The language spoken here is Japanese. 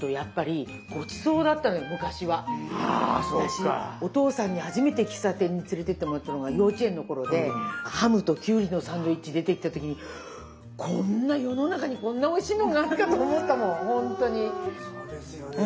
私お父さんに初めて喫茶店に連れて行ってもらったのが幼稚園の頃でハムときゅうりのサンドイッチ出てきた時に世の中にこんなおいしいもんがあるかと思ったもんほんとに。